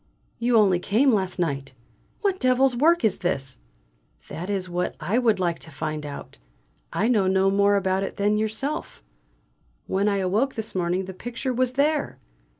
You only came last night. What devil's work is this?" "That is what I would like to find out; I know no more about it than you yourself. When I awoke this morning the picture was there!"